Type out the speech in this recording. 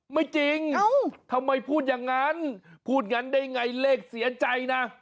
ไม่จริงทำไมพูดอย่างนั้นพูดงั้นได้ไงเลขเสียใจนะ